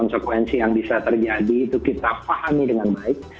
konsekuensi yang bisa terjadi itu kita pahami dengan baik